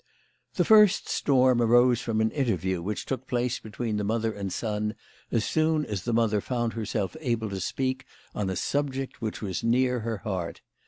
The first storm arose from an interview which took place between the mother and son as soon as the mother found herself able to speak on a subject which was near her heart.